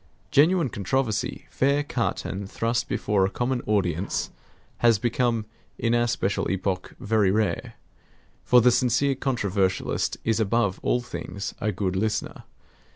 Genuine controversy, fair cut and thrust before a common audience, has become in our special epoch very rare. For the sincere controversialist is above all things a good listener.